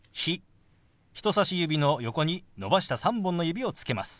人さし指の横に伸ばした３本の指をつけます。